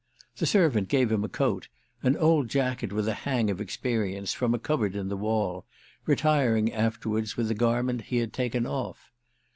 The servant gave him a coat, an old jacket with a hang of experience, from a cupboard in the wall, retiring afterwards with the garment he had taken off.